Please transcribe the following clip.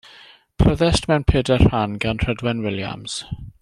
Pryddest mewn pedair rhan gan Rhydwen Williams.